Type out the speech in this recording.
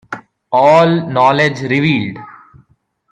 All Knowledge Revealed.